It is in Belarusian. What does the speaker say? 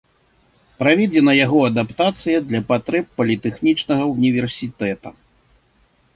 Праведзена яго адаптацыя для патрэб політэхнічнага ўніверсітэта.